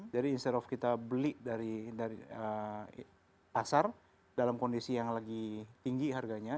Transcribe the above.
jadi instead of kita beli dari pasar dalam kondisi yang lagi tinggi harganya